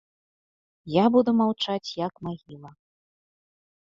Я буду маўчаць як магіла.